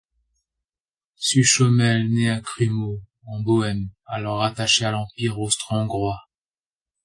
Suchomel naît à Krumau, en Bohême, alors rattachée à l’empire austro-hongrois.